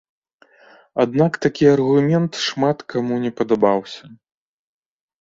Аднак такі аргумент шмат каму не падабаўся.